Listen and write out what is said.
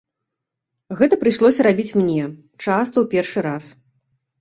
Гэта прыйшлося рабіць мне, часта ў першы раз.